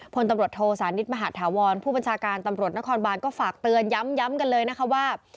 พลตำรวจโทสานิทมหาธาวรผู้บัญชาการตำรวจนครบานก็ฝากเตือนย้ำกันเลยนะคะว่า